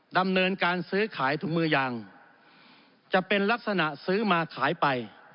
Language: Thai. ดำเนินการซื้อขายถุงมือยางจะเป็นลักษณะซื้อมาขายไป